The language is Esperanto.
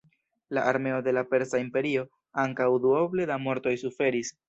La armeo de la Persa Imperio ankaŭ duoble da mortoj suferis.